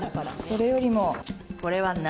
それよりもこれは何？